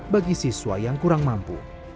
bagi siswa yang kurang mampu